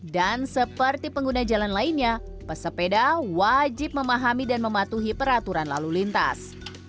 dan seperti pengguna jalan lainnya pesepeda wajib memahami dan mematuhi peraturan lalu lintas